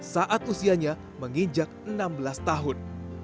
saat usianya menginjak enam belas tahun